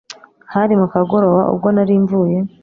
hari mu kagoroba ubwo nari mvuye